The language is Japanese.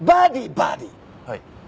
はい。